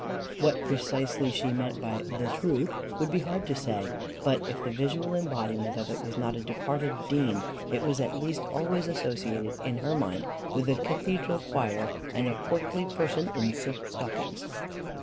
What precisely she meant by THE TRUTH it would be hard to say, but if the visual embodiment of it was not a departed dean, it was at least always associated in her mind with a cathedral choir, and a portly person in silk stockings.